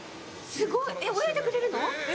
すごい、泳いでくれるの？